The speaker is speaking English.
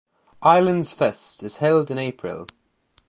Islands Fest is held in April.